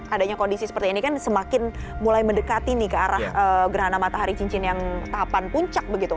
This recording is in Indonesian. adanya kondisi seperti ini kan semakin mulai mendekati nih ke arah gerhana matahari cincin yang tahapan puncak begitu